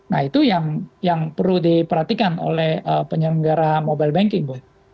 nah itu yang perlu diperhatikan oleh penyelenggara mobile banking